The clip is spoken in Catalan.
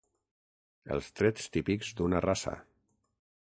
Els trets típics d'una raça.